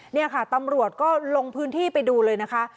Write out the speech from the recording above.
นี่ค่ะตำรวจก็ลงพื้นที่ไปดูเลยนะคะ